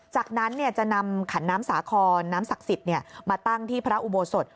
จากนั้นจะนำขันน้ำสาครน้ำศักดิ์สิทธิ์มาตั้งที่พระอุโบสถ